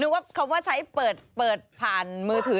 ว่าคำว่าใช้เปิดผ่านมือถือ